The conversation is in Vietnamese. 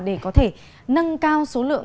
để có thể nâng cao số lượng